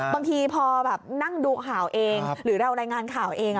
บางทีพอแบบนั่งดูข่าวเองหรือเรารายงานข่าวเอง